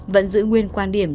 vẫn giữ nguyên quan điểm